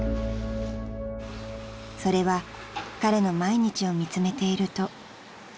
［それは彼の毎日を見つめていると］